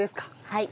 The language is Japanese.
はい。